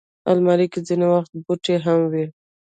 الماري کې ځینې وخت بوټي هم وي